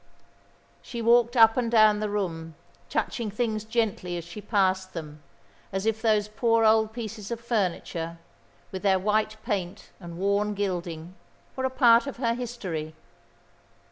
She walked up and down the room, touching things gently as she passed them, as if those poor old pieces of furniture, with their white paint and worn gilding, were a part of her history.